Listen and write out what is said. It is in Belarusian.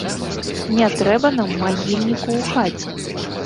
Не трэба нам магільніку ў хаце!